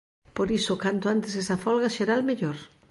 Por iso canto antes esa folga xeral mellor.